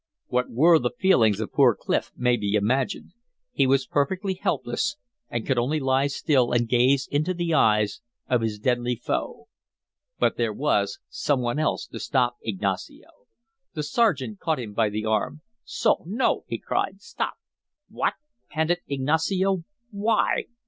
What were the feelings of poor Clif may be imagined; he was perfectly helpless and could only lie still and gaze into the eyes of his deadly foe. But there was some one else to stop Ignacio. The sergeant caught him by the arm. "So, no!" he cried. "Stop." "What!" panted Ignacio. "Why?"